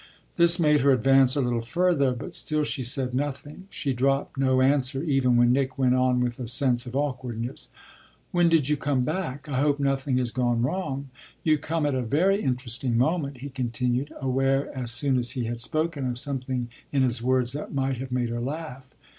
This made her advance a little further, but still she said nothing; she dropped no answer even when Nick went on with a sense of awkwardness: "When did you come back? I hope nothing has gone wrong. You come at a very interesting moment," he continued, aware as soon as he had spoken of something in his words that might have made her laugh.